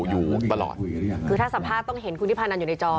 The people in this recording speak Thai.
อยู่ตลอดคือถ้าสัมภาษณ์ต้องเห็นคุณทิพานันอยู่ในจอ